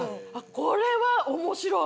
これは面白い！